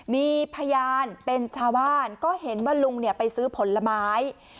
มีพยานเป็นชาวบ้านก็เห็นว่าลุงไปซื้อผลไม้